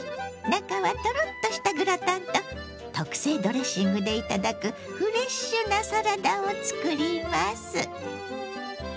中はトロッとしたグラタンと特製ドレッシングで頂くフレッシュなサラダを作ります。